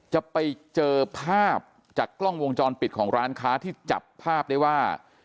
จะไปเจอภาพจากกล้องวงจรปิดของร้านค้าที่จับภาพได้ว่า